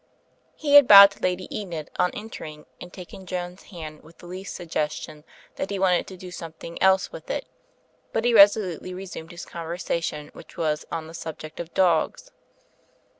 '' He had bowed to Lady Enid on entering and taken Joan's hand with the least suggestion that he wanted to do something else with it; but he resolutely re sumed his conversation, which was on the subject of dogs.